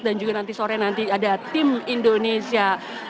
dan juga nanti sore nanti ada tim indonesia